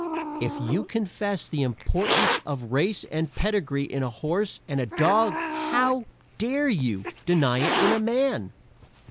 If you confess the importance of race and pedigree in a horse and a dog how dare you deny it in a man?